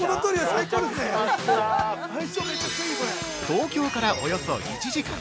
◆東京からおよそ１時間。